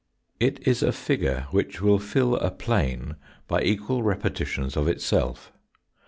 It is a figure which will fill a plane by equal repetitions of itself.